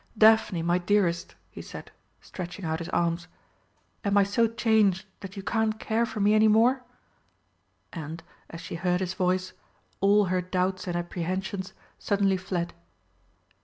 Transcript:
"Daphne! my dearest!" he said, stretching out his arms, "am I so changed that you can't care for me any more?" And, as she heard his voice, all her doubts and apprehensions suddenly fled.